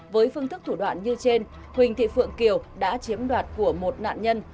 với phương thức thủ đoạn như trên huỳnh thị phượng kiều đã chiếm đoạt của một nạn nhân